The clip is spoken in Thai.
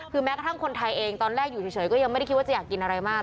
คือแม้กระทั่งคนไทยเองตอนแรกอยู่เฉยก็ยังไม่ได้คิดว่าจะอยากกินอะไรมาก